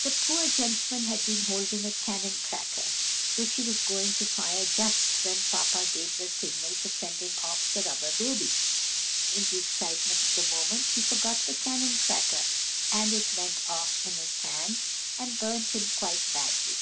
The poor gentleman had been holding a cannon cracker, which he was going to fire just when Papa gave the signal for sending off the Rubber Baby. In the excitement of the moment he forgot the cannon cracker, and it went off in his hand, and burnt him quite badly.